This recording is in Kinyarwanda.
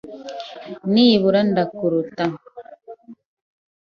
Nibura ndakuruta.